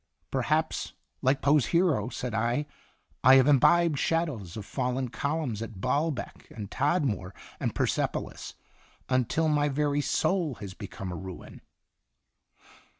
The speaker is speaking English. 1 "" Perhaps, like Poe's hero," said I, "'I have imbibed shadows of fallen columns at Balbec, and Tadmor, and Persepolis, until my very soul has become a ruin.'